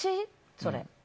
それ。